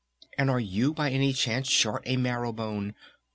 And are you by any chance short a marrow bone?